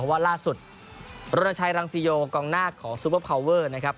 ว่าล่าสุดรณชัยรังสิโยกองหน้าของซูเปอร์พาวเวอร์นะครับ